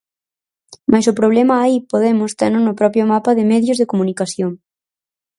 Mais o problema aí Podemos teno no propio mapa de medios de comunicación.